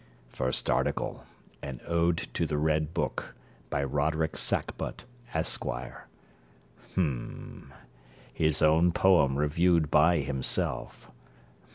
First article An Ode to the Red Book, by Roderick Sackbut, Esquire. Hm. His own poem reviewed by himself.